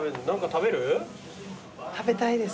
食べたいです。